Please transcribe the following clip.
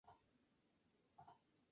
Heracles mató al centauro.